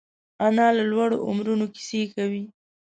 انا له لوړو عمرونو کیسې کوي